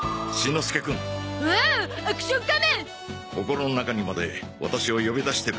さすがアクション仮面。